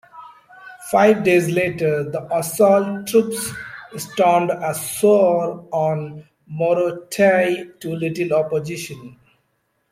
Five days later, the assault troops stormed ashore on Morotai, to little opposition.